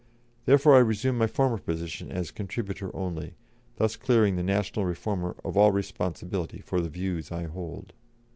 I therefore resume my former position as contributor only, thus clearing the National Reformer of all responsibility for the views I hold."